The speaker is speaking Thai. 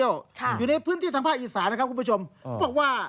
อยู่ในพื้นที่ธรรมดิกาลิกาไม่พลอดภัย